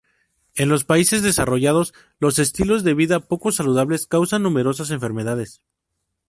En los países desarrollados, los estilos de vida poco saludables causan numerosas enfermedades.